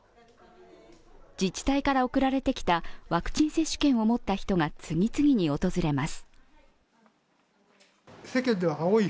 自治体から送られてきたワクチン接種券を持った人が次々に訪れます。